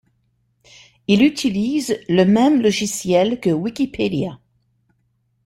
Il utilise le même logiciel que Wikipédia.